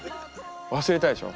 忘れたでしょ。